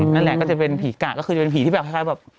นั่นแหละก็จะเป็นผีกะก็คือจะเป็นผีที่แบบคล้ายแบบ